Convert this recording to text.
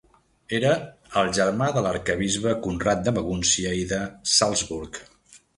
Era el germà de l'arquebisbe Conrad de Magúncia i de Salzburg.